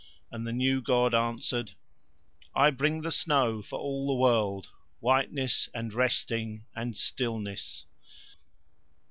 And the new god answered: "I bring the snow for all the world—whiteness and resting and stillness."